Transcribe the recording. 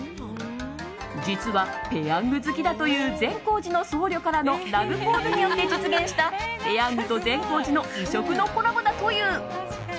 実は、ぺヤング好きだという善光寺の僧侶からのラブコールによって実現したぺヤングと善光寺の異色のコラボだという。